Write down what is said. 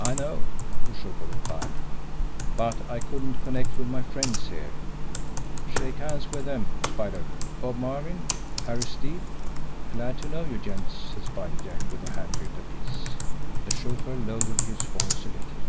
"I know," the chauffeur replied; "but I couldn't connect with my friends here. Shake hands with them, Spider Bob Marvin Harry Stead." "Glad to know you, gents," said Spider Jack, with a handgrip apiece. The chauffeur lowered his voice a little.